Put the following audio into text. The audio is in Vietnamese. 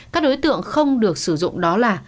các đối tượng không được sử dụng đó là